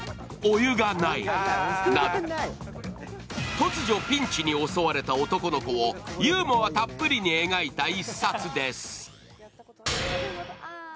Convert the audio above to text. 突如ピンチに襲われた男の子をユーモアたっぷりに描いた一冊です。